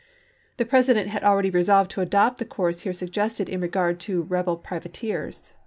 The Presi dent had already resolved to adopt the course here suggested in regard to rebel privateers.